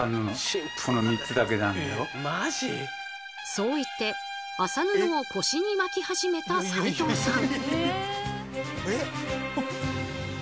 そう言って麻布を腰に巻き始めた齋藤さん。